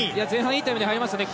いいタイムで入りました。